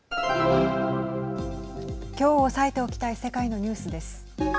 きょう押さえておきたい世界のニュースです。